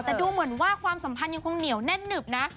แต่ดูเหมือนว่าความสัมพันธ์ยังคงเหนียวแน่นหนึบนะ